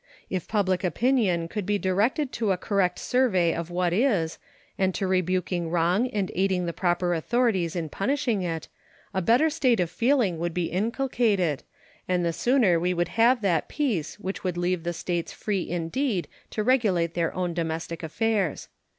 If public opinion could be directed to a correct survey of what is and to rebuking wrong and aiding the proper authorities in punishing it, a better state of feeling would be inculcated, and the sooner we would have that peace which would leave the States free indeed to regulate their own domestic affairs.